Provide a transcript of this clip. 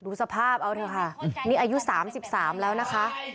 ดูสภาพเอาเถอะค่ะนี่อายุสามสิบสามแล้วนะคะ